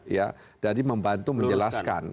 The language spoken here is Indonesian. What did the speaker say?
ya jadi membantu menjelaskan